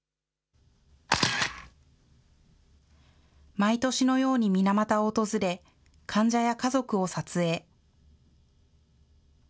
毎年のように水俣を訪れ、患者や家族を撮影。